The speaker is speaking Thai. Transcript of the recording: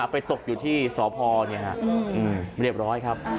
ตกอยู่ที่สพเรียบร้อยครับ